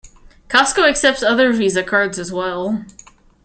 Costco accepts other Visa cards as well.